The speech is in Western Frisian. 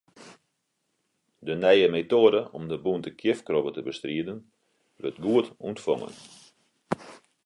De nije metoade om de bûnte kjifkrobbe te bestriden, wurdt goed ûntfongen.